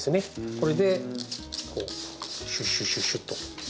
これでシュッシュッシュッシュッと。